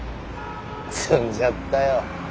詰んじゃったよ。